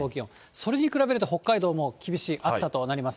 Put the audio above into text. それに比べると、北海道も厳しい暑さとなります。